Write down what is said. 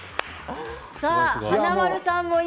華丸さんも今。